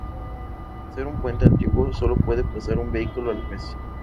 Por ser un puente antiguo solo puede pasar un vehículo a la vez.